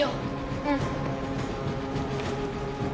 うん。